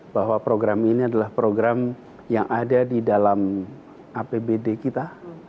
bahwa program ini adalah program yang ada di dalam apbd kita